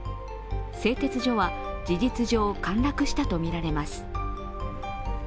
製鉄所は事実上、陥落したとみられます。